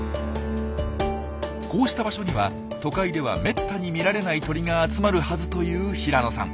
こうした場所には都会ではめったに見られない鳥が集まるはずという平野さん。